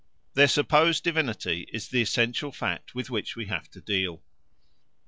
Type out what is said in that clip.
Their supposed divinity is the essential fact with which we have to deal.